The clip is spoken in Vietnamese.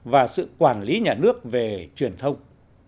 và sự quản lý nhà nước về truyền thông